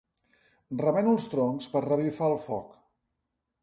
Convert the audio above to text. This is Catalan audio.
Remeno els troncs per revifar el foc.